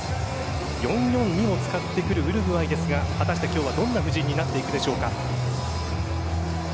４−４−２も使ってくるウルグアイですが果たして今日は、どんな布陣になっていくでしょうか。